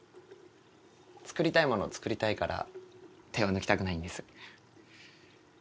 作りたいものを作りたいから手を抜きたくないんです。